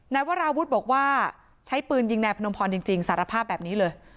วราวุฒิบอกว่าใช้ปืนยิงนายพนมพรจริงสารภาพแบบนี้เลย